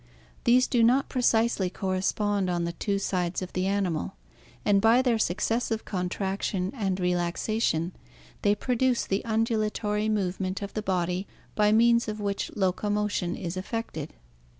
These do not precisely correspond on the two sides of the animal, and by their successive contraction and relaxation they produce the undulatory movement of the body by means of which locomotion is effected.